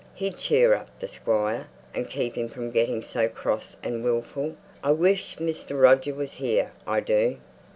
He'd cheer up the Squire, and keep him from getting so cross and wilful. I wish Mr. Roger was here, I do."